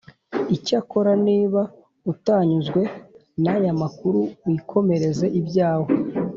Icyakora niba utanyuzwe nayamakuru wikomereze ibyawe